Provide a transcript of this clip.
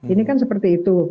ini kan seperti itu